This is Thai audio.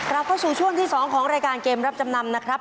เข้าสู่ช่วงที่๒ของรายการเกมรับจำนำนะครับ